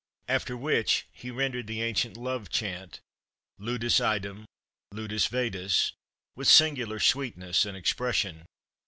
After which he rendered the ancient love chant, "Ludus idem, ludus vetus," with singular sweetness and expression.